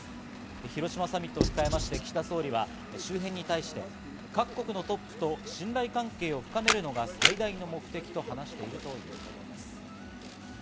広島サミットを控えて、岸田総理は周辺に対して、各国のトップと信頼関係を深めるのが最大の目的と話しているということです。